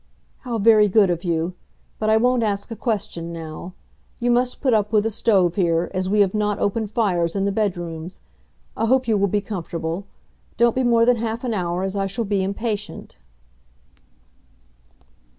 "How very good of you; but I won't ask a question now. You must put up with a stove here, as we have not open fires in the bed rooms. I hope you will be comfortable. Don't be more than half an hour, as I shall be impatient."